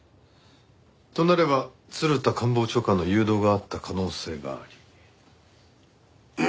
となれば鶴田官房長官の誘導があった可能性があり。